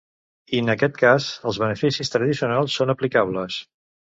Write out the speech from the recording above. In aquest cas els beneficis tradicionals són aplicables.